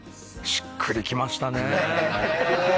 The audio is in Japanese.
しっくり来ましたね